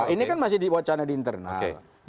ini kan masih diwacana di internal